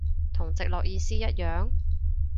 同直落意思一樣？